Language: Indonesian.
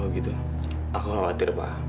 aku khawatir pak